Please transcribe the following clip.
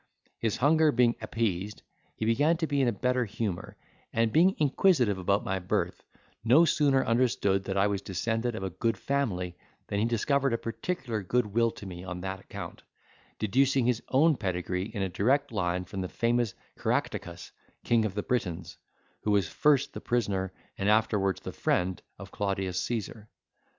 His hunger being appeased, he began to be in better humour; and, being inquisitive about my birth, no sooner understood that I was descended of a good family, than he discovered a particular good will to me on that account, deducing his own pedigree in a direct line from the famous Caractacus, king of the Britons, who was first the prisoner, and afterwards the friend of Claudius Caesar.